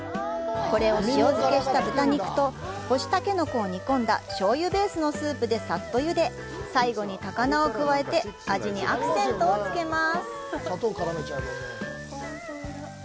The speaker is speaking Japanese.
これを塩漬けした豚肉と、干しタケノコを煮込んだ醤油ベースのスープでさっとゆで、最後に高菜を加えて味にアクセントを付けます。